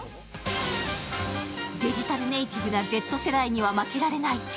デジタルネイティブなＺ世代には負けられない。